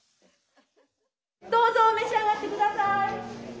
どうぞ召し上がって下さい。